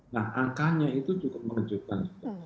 nah angkanya itu cukup mengejutkan